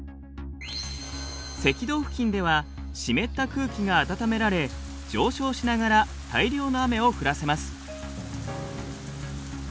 赤道付近では湿った空気が温められ上昇しながら大量の雨を降らせます。